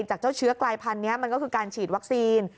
จากเจ้าเชื้อกลายพันธุ์นี้มันก็คือการฉีดวัคซีน